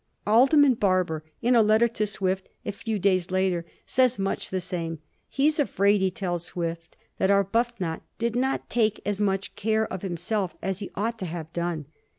Al derman Barber, in a letter to Swift a few days after, says much the same. He is afraid, he tells Swift, that Arbuth not did not take as much care of himself as he ought to have done.